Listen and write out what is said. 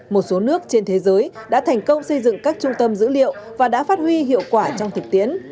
một số nước trên thế giới đã thành công xây dựng các trung tâm dữ liệu và đã phát huy hiệu quả trong thực tiễn